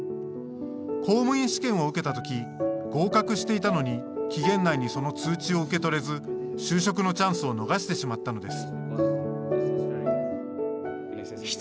公務員試験を受けた時合格していたのに期限内にその通知を受け取れず就職のチャンスを逃してしまったのです。